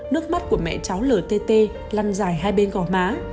nước mắt của mẹ cháu lở tê tê lăn dài hai bên gò má